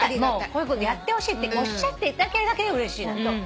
こういうことやってほしいっておっしゃっていただけるだけでうれしいホント。